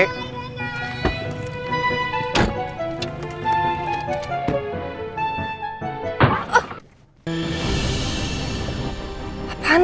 aduh kena lagi